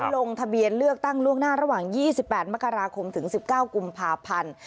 ลงทะเบียนเลือกตั้งล่วงหน้าระหว่าง๒๘มกราคมถึง๑๙กุมภาพันธ์